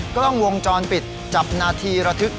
กล้องวงจรปิดจับนาทีระทึก